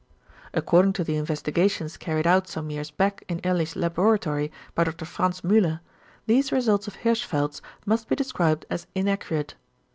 According to the investigations carried out some years back in Ehrlich's laboratory by Dr Franz Müller, these results of Hirschfeld's must be described as inaccurate.